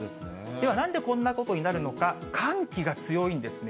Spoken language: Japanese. ではなんでこんなことになるのか、寒気が強いんですね。